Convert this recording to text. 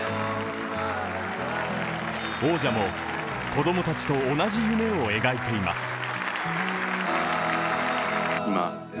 王者も子供たちと同じ夢を描いています。